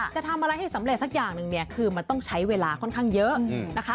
จะทำอะไรให้สำเร็จสักอย่างหนึ่งเนี่ยคือมันต้องใช้เวลาค่อนข้างเยอะนะคะ